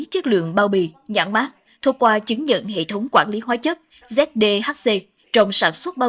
chất lượng bao bì nhãn mát thuộc qua chứng nhận hệ thống quản lý hóa chất trong sản xuất bao